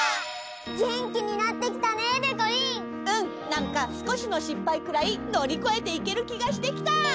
なんかすこしのしっぱいくらいのりこえていけるきがしてきた！